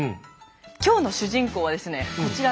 今日の主人公はですねこちらなんです。